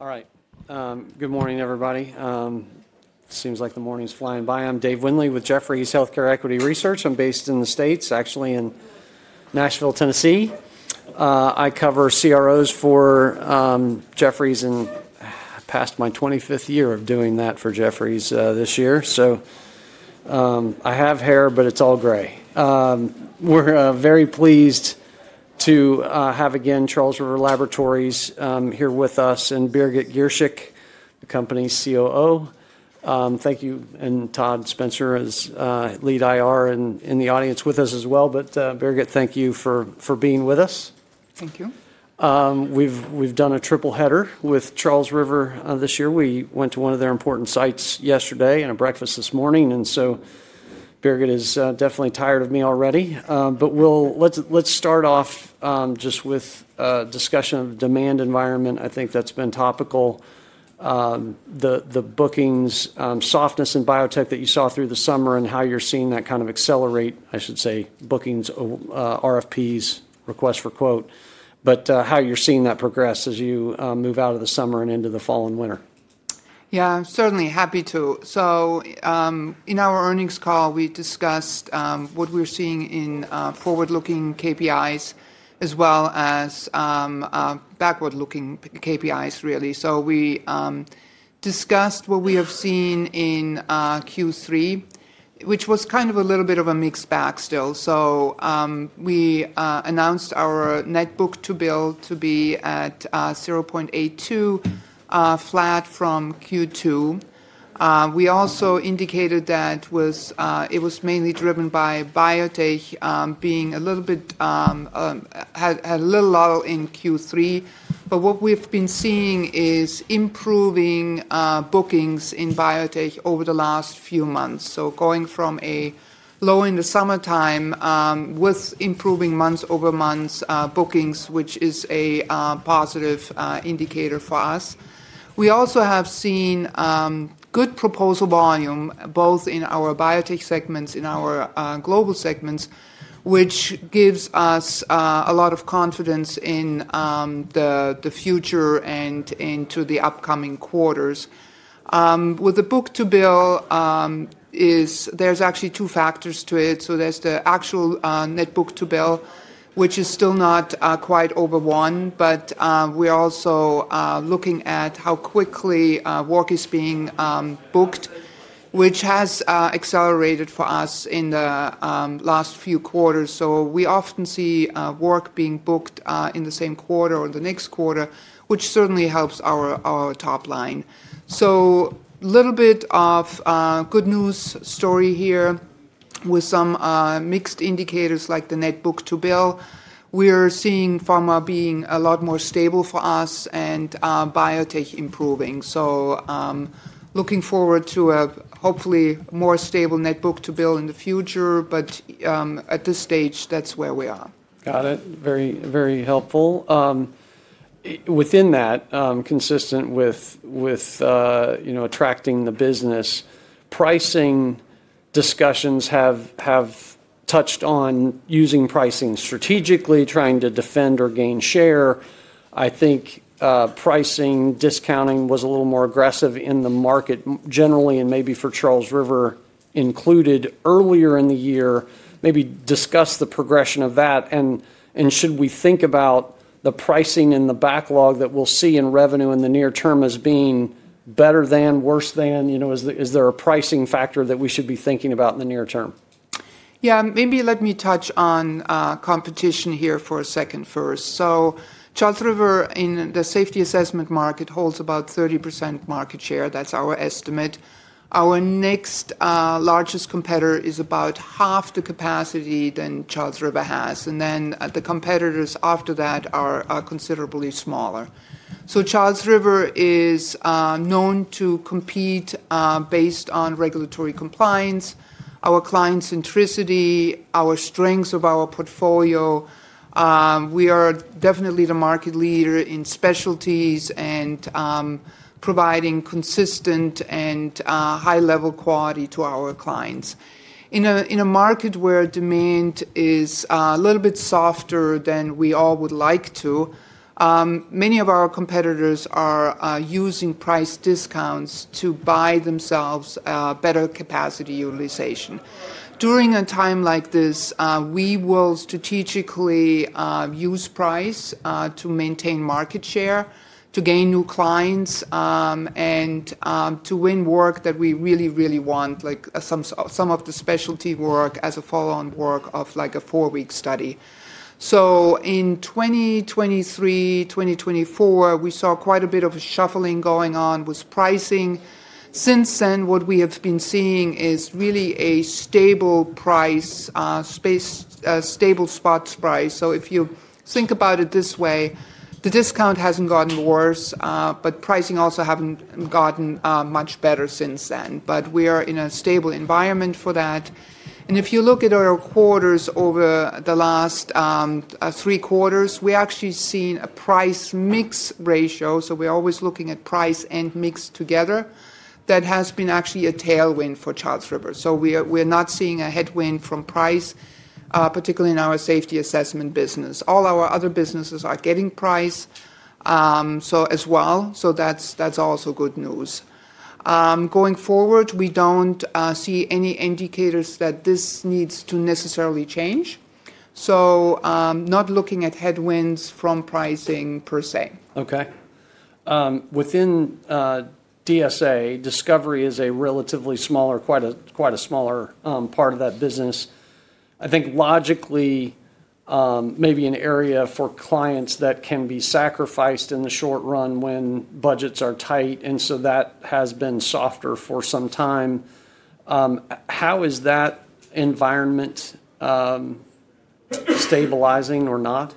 All right. Good morning, everybody. Seems like the morning's flying by. I'm Dave Windley with Jefferies Healthcare Equity Research. I'm based in the States, actually in Nashville, Tennessee. I cover CROs for Jefferies and passed my 25th year of doing that for Jefferies this year. So I have hair, but it's all gray. We're very pleased to have, again, Charles River Laboratories here with us, and Birgit Girshick, the company's COO. Thank you. Todd Spencer is lead IR in the audience with us as well. Birgit, thank you for being with us. Thank you. We've done a triple header with Charles River this year. We went to one of their important sites yesterday and a breakfast this morning. Birgit is definitely tired of me already. Let's start off just with a discussion of the demand environment. I think that's been topical. The bookings, softness in biotech that you saw through the summer and how you're seeing that kind of accelerate, I should say, bookings, RFPs, requests for quote, but how you're seeing that progress as you move out of the summer and into the fall and winter. Yeah, certainly happy to. In our earnings call, we discussed what we're seeing in forward-looking KPIs as well as backward-looking KPIs, really. We discussed what we have seen in Q3, which was kind of a little bit of a mixed bag still. We announced our net book to bill to be at 0.82, flat from Q2. We also indicated that it was mainly driven by biotech being a little bit, had a little lull in Q3. What we've been seeing is improving bookings in biotech over the last few months. Going from a low in the summertime with improving month-over-month bookings, which is a positive indicator for us. We also have seen good proposal volume both in our biotech segments, in our global segments, which gives us a lot of confidence in the future and into the upcoming quarters. With the book to bill, there's actually two factors to it. So there's the actual net book to bill, which is still not quite over one, but we're also looking at how quickly work is being booked, which has accelerated for us in the last few quarters. So we often see work being booked in the same quarter or the next quarter, which certainly helps our top line. So a little bit of good news story here with some mixed indicators like the net book to bill. We're seeing pharma being a lot more stable for us and biotech improving. So looking forward to a hopefully more stable net book to bill in the future, but at this stage, that's where we are. Got it. Very helpful. Within that, consistent with attracting the business, pricing discussions have touched on using pricing strategically, trying to defend or gain share. I think pricing discounting was a little more aggressive in the market generally and maybe for Charles River included earlier in the year. Maybe discuss the progression of that. Should we think about the pricing and the backlog that we'll see in revenue in the near term as being better than, worse than? Is there a pricing factor that we should be thinking about in the near term? Yeah, maybe let me touch on competition here for a second first. Charles River, in the safety assessment market, holds about 30% market share. That's our estimate. Our next largest competitor is about half the capacity that Charles River has. The competitors after that are considerably smaller. Charles River is known to compete based on regulatory compliance, our client centricity, our strengths of our portfolio. We are definitely the market leader in specialties and providing consistent and high-level quality to our clients. In a market where demand is a little bit softer than we all would like to, many of our competitors are using price discounts to buy themselves better capacity utilization. During a time like this, we will strategically use price to maintain market share, to gain new clients, and to win work that we really, really want, like some of the specialty work as a follow-on work of like a four-week study. In 2023, 2024, we saw quite a bit of a shuffling going on with pricing. Since then, what we have been seeing is really a stable price, stable spot price. If you think about it this way, the discount has not gotten worse, but pricing also has not gotten much better since then. We are in a stable environment for that. If you look at our quarters over the last three quarters, we actually see a price-mix ratio. We are always looking at price and mix together. That has been actually a tailwind for Charles River. We're not seeing a headwind from price, particularly in our safety assessment business. All our other businesses are getting price as well, so that's also good news. Going forward, we don't see any indicators that this needs to necessarily change. Not looking at headwinds from pricing per se. Okay. Within DSA, discovery is a relatively smaller, quite a smaller part of that business. I think logically, maybe an area for clients that can be sacrificed in the short run when budgets are tight, and so that has been softer for some time. How is that environment stabilizing or not?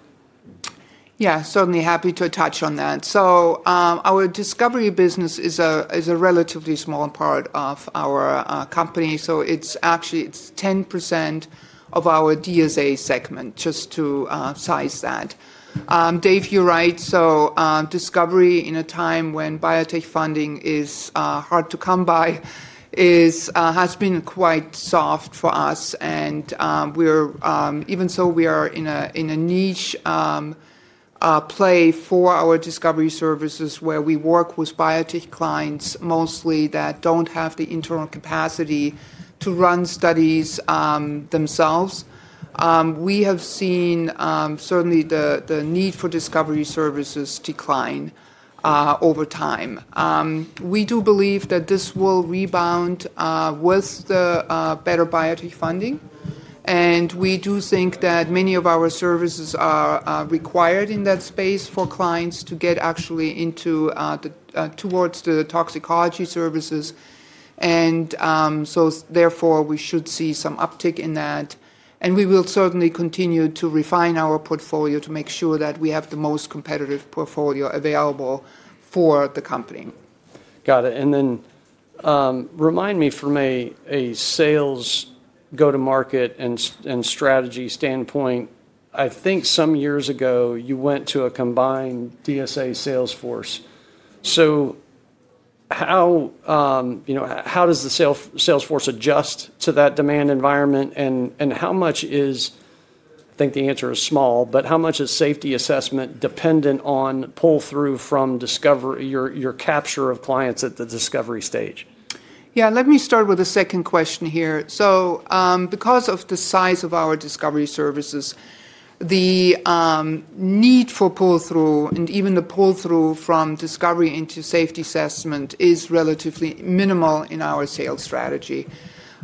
Yeah, certainly happy to touch on that. Our discovery business is a relatively small part of our company. It is actually 10% of our DSA segment, just to size that. Dave, you're right. Discovery in a time when biotech funding is hard to come by has been quite soft for us. Even so, we are in a niche play for our discovery services where we work with biotech clients mostly that do not have the internal capacity to run studies themselves. We have seen certainly the need for discovery services decline over time. We do believe that this will rebound with better biotech funding. We do think that many of our services are required in that space for clients to get actually towards the toxicology services. Therefore, we should see some uptick in that. We will certainly continue to refine our portfolio to make sure that we have the most competitive portfolio available for the company. Got it. Remind me from a sales go-to-market and strategy standpoint. I think some years ago, you went to a combined DSA Salesforce. How does the Salesforce adjust to that demand environment? How much is, I think the answer is small, but how much is safety assessment dependent on pull-through from discovery, your capture of clients at the discovery stage? Yeah, let me start with the second question here. Because of the size of our discovery services, the need for pull-through and even the pull-through from discovery into safety assessment is relatively minimal in our sales strategy.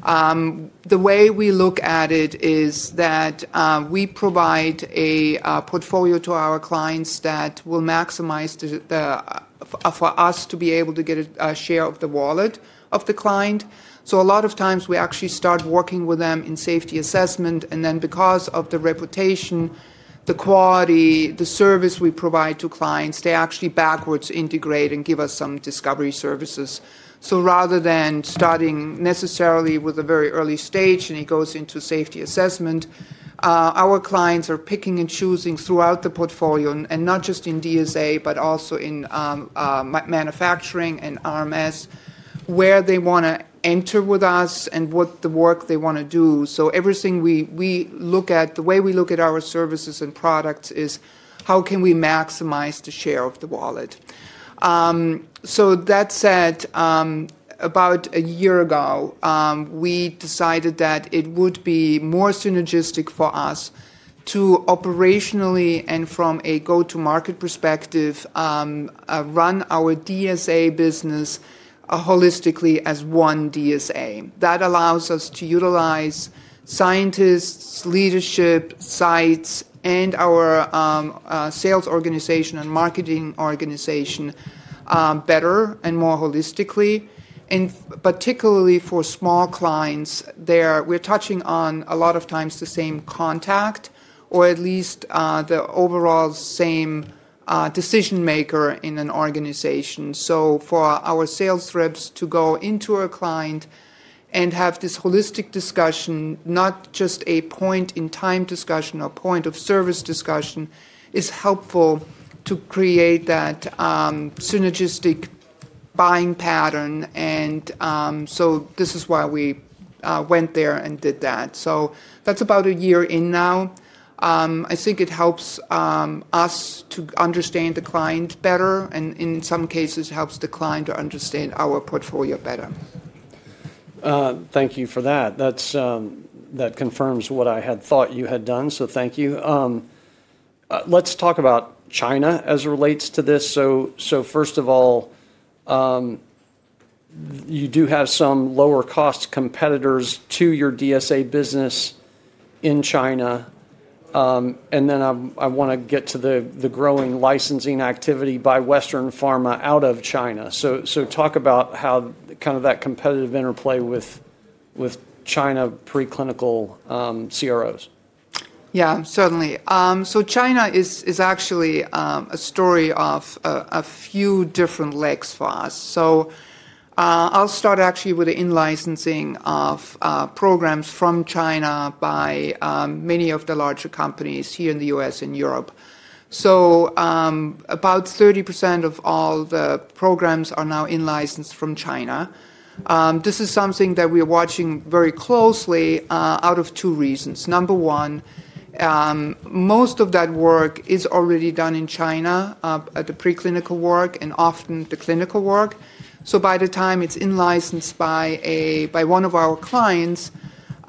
The way we look at it is that we provide a portfolio to our clients that will maximize for us to be able to get a share of the wallet of the client. A lot of times, we actually start working with them in safety assessment. Then because of the reputation, the quality, the service we provide to clients, they actually backwards integrate and give us some discovery services. Rather than starting necessarily with a very early stage and it goes into safety assessment, our clients are picking and choosing throughout the portfolio and not just in DSA, but also in manufacturing and RMS where they want to enter with us and what the work they want to do. Everything we look at, the way we look at our services and products is how can we maximize the share of the wallet. That said, about a year ago, we decided that it would be more synergistic for us to operationally and from a go-to-market perspective run our DSA business holistically as one DSA. That allows us to utilize scientists, leadership, sites, and our sales organization and marketing organization better and more holistically. Particularly for small clients, we're touching on a lot of times the same contact or at least the overall same decision maker in an organization. For our sales reps to go into a client and have this holistic discussion, not just a point-in-time discussion or point-of-service discussion, is helpful to create that synergistic buying pattern. This is why we went there and did that. That's about a year in now. I think it helps us to understand the client better and in some cases helps the client to understand our portfolio better. Thank you for that. That confirms what I had thought you had done. So thank you. Let's talk about China as it relates to this. First of all, you do have some lower-cost competitors to your DSA business in China. I want to get to the growing licensing activity by Western Pharma out of China. Talk about how kind of that competitive interplay with China preclinical CROs. Yeah, certainly. China is actually a story of a few different legs for us. I'll start actually with the in-licensing of programs from China by many of the larger companies here in the U.S. and Europe. About 30% of all the programs are now in-licensed from China. This is something that we are watching very closely out of two reasons. Number one, most of that work is already done in China, the preclinical work and often the clinical work. By the time it's in-licensed by one of our clients,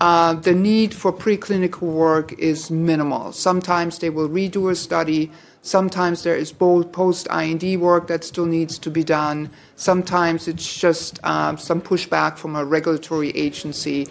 the need for preclinical work is minimal. Sometimes they will redo a study. Sometimes there is post-IND work that still needs to be done. Sometimes it's just some pushback from a regulatory agency.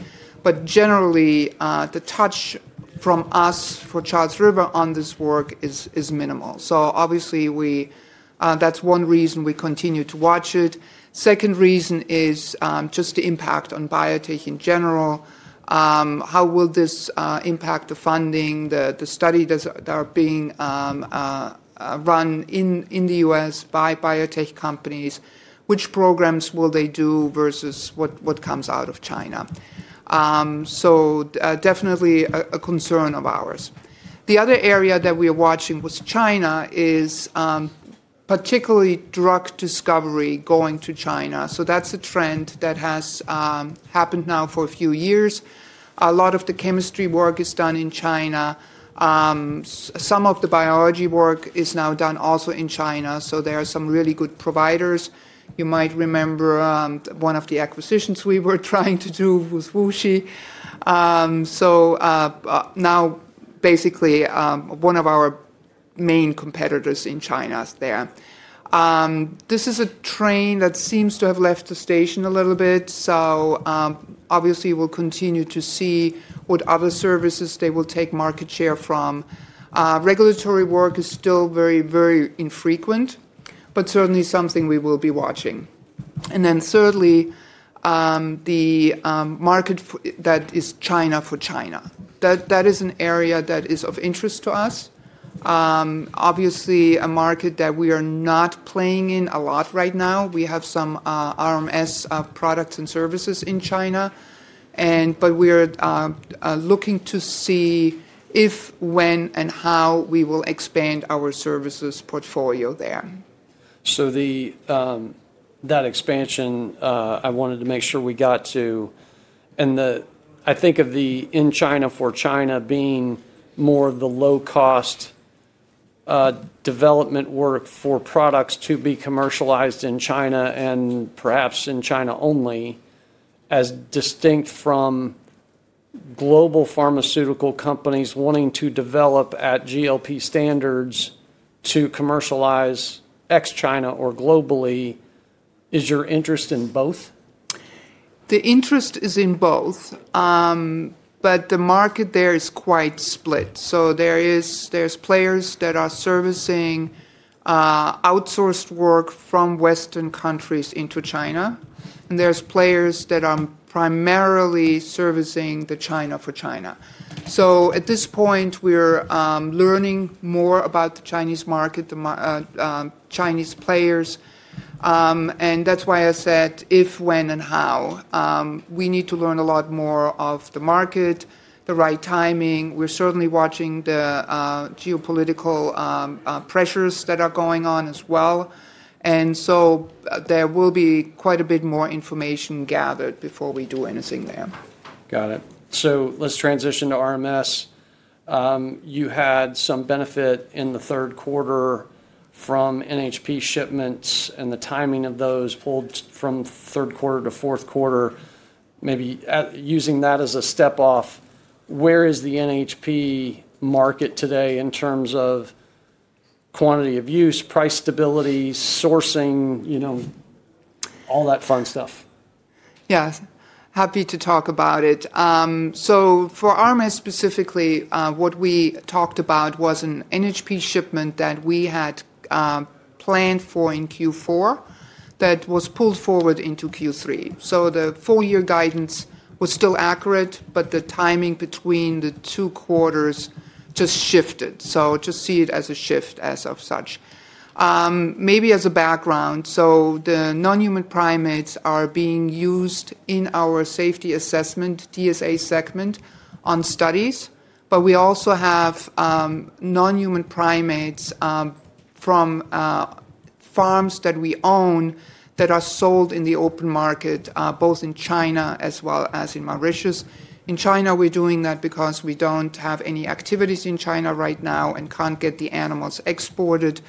Generally, the touch from us for Charles River on this work is minimal. Obviously, that's one reason we continue to watch it. Second reason is just the impact on biotech in general. How will this impact the funding, the study that are being run in the U.S. by biotech companies? Which programs will they do versus what comes out of China? Definitely a concern of ours. The other area that we are watching with China is particularly drug discovery going to China. That is a trend that has happened now for a few years. A lot of the chemistry work is done in China. Some of the biology work is now done also in China. There are some really good providers. You might remember one of the acquisitions we were trying to do with WuXi. Now basically one of our main competitors in China is there. This is a train that seems to have left the station a little bit. Obviously, we'll continue to see what other services they will take market share from. Regulatory work is still very, very infrequent, but certainly something we will be watching. Thirdly, the market that is China for China. That is an area that is of interest to us. Obviously, a market that we are not playing in a lot right now. We have some RMS products and services in China. We are looking to see if, when, and how we will expand our services portfolio there. That expansion, I wanted to make sure we got to, and I think of the in-China for China being more of the low-cost development work for products to be commercialized in China and perhaps in China only as distinct from global pharmaceutical companies wanting to develop at GLP standards to commercialize ex-China or globally. Is your interest in both? The interest is in both. The market there is quite split. There are players that are servicing outsourced work from Western countries into China, and there are players that are primarily servicing the China for China. At this point, we're learning more about the Chinese market, the Chinese players. That's why I said if, when, and how. We need to learn a lot more of the market, the right timing. We're certainly watching the geopolitical pressures that are going on as well. There will be quite a bit more information gathered before we do anything there. Got it. Let's transition to RMS. You had some benefit in the third quarter from NHP shipments and the timing of those pulled from third quarter to fourth quarter. Maybe using that as a step off, where is the NHP market today in terms of quantity of use, price stability, sourcing, all that fun stuff? Yeah, happy to talk about it. For RMS specifically, what we talked about was an NHP shipment that we had planned for in Q4 that was pulled forward into Q3. The full-year guidance was still accurate, but the timing between the two quarters just shifted. Just see it as a shift as such. Maybe as a background, the non-human primates are being used in our safety assessment DSA segment on studies. We also have non-human primates from farms that we own that are sold in the open market, both in China as well as in Mauritius. In China, we're doing that because we don't have any activities in China right now and can't get the animals exported.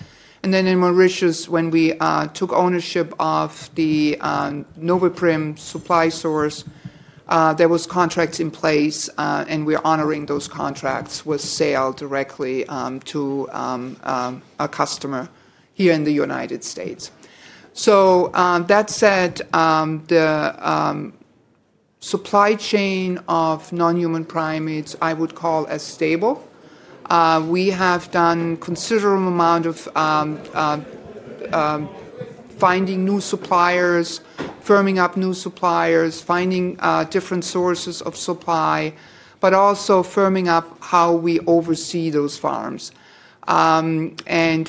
In Mauritius, when we took ownership of the Novaprim supply source, there were contracts in place, and we're honoring those contracts with sale directly to a customer here in the United States. That said, the supply chain of non-human primates, I would call as stable. We have done a considerable amount of finding new suppliers, firming up new suppliers, finding different sources of supply, but also firming up how we oversee those farms.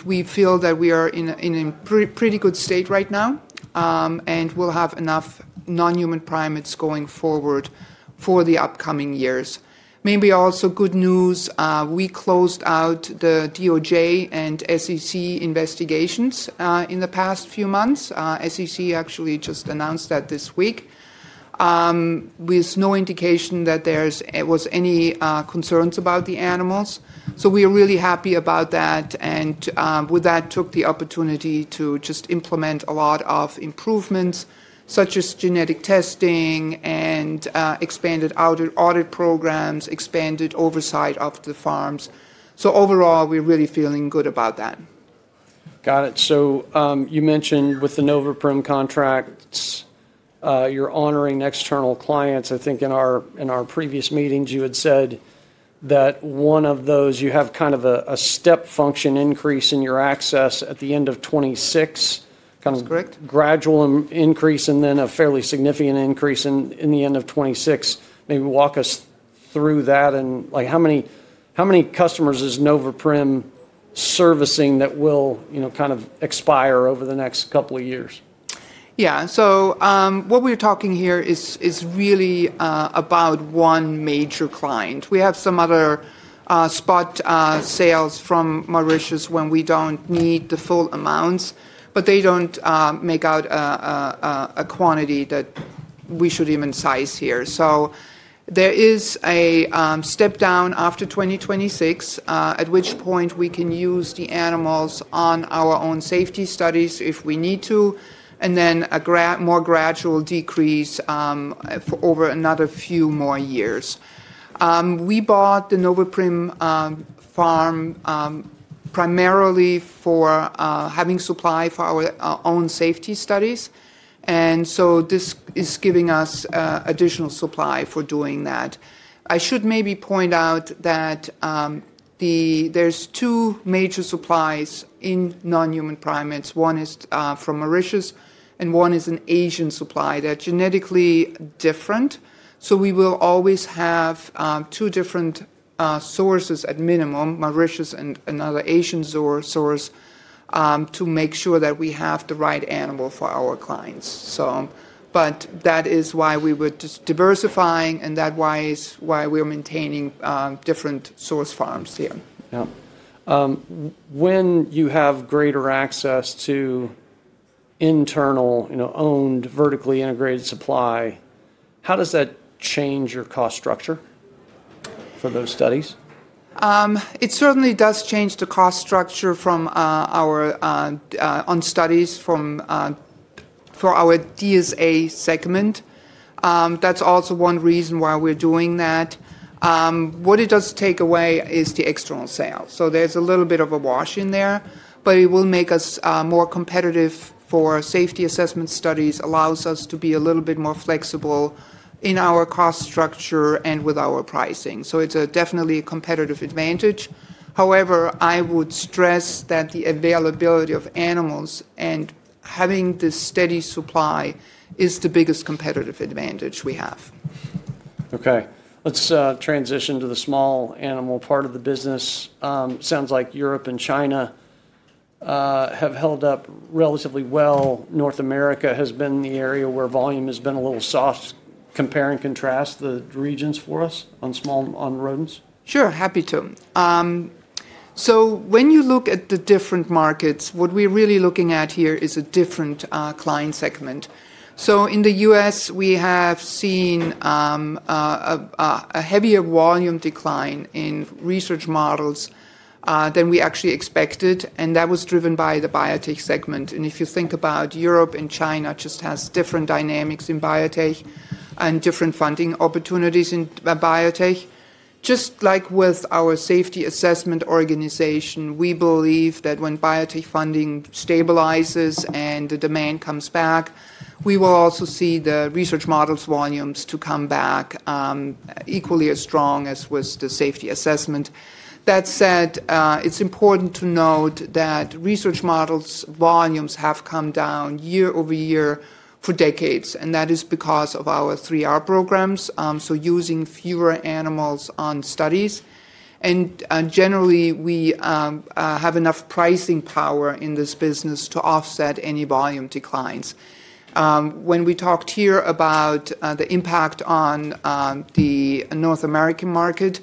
We feel that we are in a pretty good state right now and will have enough non-human primates going forward for the upcoming years. Maybe also good news, we closed out the DOJ and SEC investigations in the past few months. SEC actually just announced that this week with no indication that there was any concerns about the animals. We are really happy about that. With that, took the opportunity to just implement a lot of improvements such as genetic testing and expanded audit programs, expanded oversight of the farms. Overall, we're really feeling good about that. Got it. So you mentioned with the Novaprim contracts, you're honoring external clients. I think in our previous meetings, you had said that one of those, you have kind of a step function increase in your access at the end of 2026, kind of gradual increase and then a fairly significant increase in the end of 2026. Maybe walk us through that and how many customers is Novaprim servicing that will kind of expire over the next couple of years? Yeah. So what we're talking here is really about one major client. We have some other spot sales from Mauritius when we don't need the full amounts, but they don't make out a quantity that we should even size here. There is a step down after 2026, at which point we can use the animals on our own safety studies if we need to, and then a more gradual decrease for over another few more years. We bought the Novaprim farm primarily for having supply for our own safety studies. This is giving us additional supply for doing that. I should maybe point out that there's two major supplies in non-human primates. One is from Mauritius and one is an Asian supply that's genetically different. We will always have two different sources at minimum, Mauritius and another Asian source, to make sure that we have the right animal for our clients. That is why we were just diversifying and that is why we are maintaining different source farms here. Yeah. When you have greater access to internal owned vertically integrated supply, how does that change your cost structure for those studies? It certainly does change the cost structure on studies for our DSA segment. That's also one reason why we're doing that. What it does take away is the external sales. So there's a little bit of a wash in there, but it will make us more competitive for safety assessment studies, allows us to be a little bit more flexible in our cost structure and with our pricing. It's definitely a competitive advantage. However, I would stress that the availability of animals and having the steady supply is the biggest competitive advantage we have. Okay. Let's transition to the small animal part of the business. Sounds like Europe and China have held up relatively well. North America has been the area where volume has been a little soft. Compare and contrast the regions for us on RMS. Sure, happy to. When you look at the different markets, what we're really looking at here is a different client segment. In the U.S., we have seen a heavier volume decline in research models than we actually expected. That was driven by the biotech segment. If you think about Europe and China, each has different dynamics in biotech and different funding opportunities in biotech. Just like with our safety assessment organization, we believe that when biotech funding stabilizes and the demand comes back, we will also see the research models volumes come back equally as strong as with the safety assessment. That said, it's important to note that research models volumes have come down year over year for decades. That is because of our three R programs, so using fewer animals on studies. Generally, we have enough pricing power in this business to offset any volume declines. When we talked here about the impact on the North American market,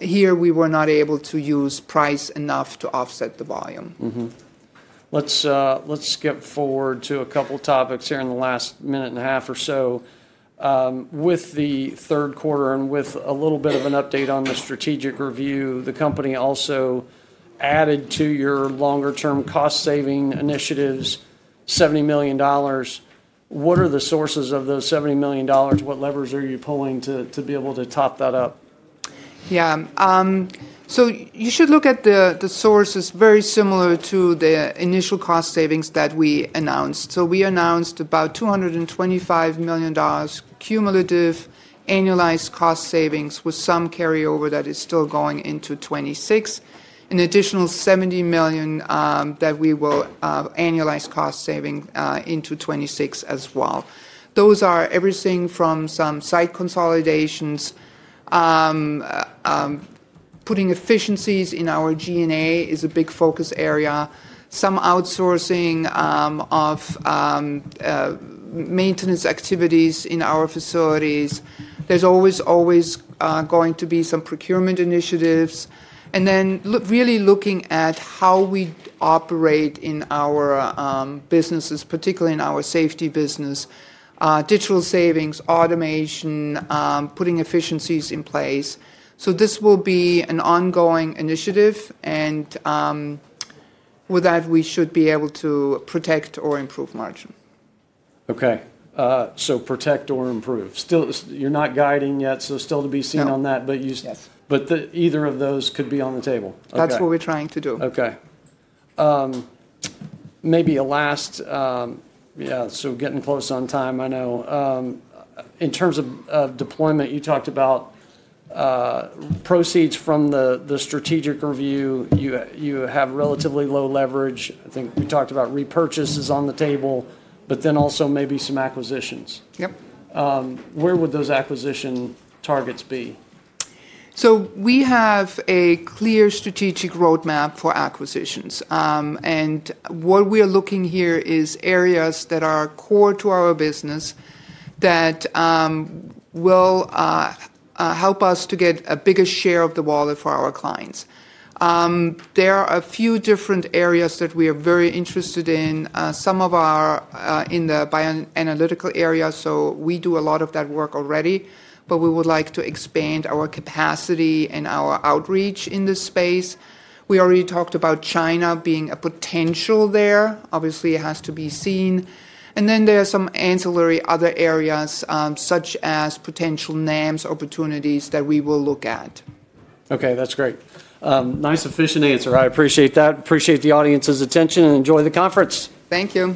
here we were not able to use price enough to offset the volume. Let's skip forward to a couple of topics here in the last minute and a half or so. With the third quarter and with a little bit of an update on the strategic review, the company also added to your longer-term cost-saving initiatives $70 million. What are the sources of those $70 million? What levers are you pulling to be able to top that up? Yeah. You should look at the sources very similar to the initial cost savings that we announced. We announced about $225 million cumulative annualized cost savings with some carryover that is still going into 2026, an additional $70 million that we will annualize cost saving into 2026 as well. Those are everything from some site consolidations, putting efficiencies in our G&A is a big focus area, some outsourcing of maintenance activities in our facilities. There is always, always going to be some procurement initiatives. Then really looking at how we operate in our businesses, particularly in our safety business, digital savings, automation, putting efficiencies in place. This will be an ongoing initiative. With that, we should be able to protect or improve margin. Okay. So protect or improve. You're not guiding yet, so still to be seen on that. But either of those could be on the table. That's what we're trying to do. Okay. Maybe a last, yeah, so getting close on time, I know. In terms of deployment, you talked about proceeds from the strategic review. You have relatively low leverage. I think we talked about repurchases on the table, but then also maybe some acquisitions. Yep. Where would those acquisition targets be? We have a clear strategic roadmap for acquisitions. What we are looking at here is areas that are core to our business that will help us to get a bigger share of the wallet for our clients. There are a few different areas that we are very interested in. Some are in the bioanalytical area. We do a lot of that work already, but we would like to expand our capacity and our outreach in this space. We already talked about China being a potential there. Obviously, it has to be seen. There are some ancillary other areas such as potential NAMS opportunities that we will look at. Okay, that's great. Nice, efficient answer. I appreciate that. Appreciate the audience's attention and enjoy the conference. Thank you.